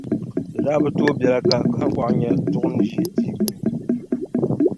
Di daa bi tooi biɛla ka kahiŋkɔɣu nya duɣu ni ʒe tia gbunni,